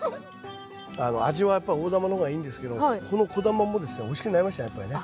味はやっぱり大玉の方がいいんですけどこの小玉もですねおいしくなりましたねやっぱりね。